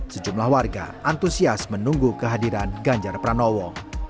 sejumlah warga antusias menunggu kehadiran ganjar pranowo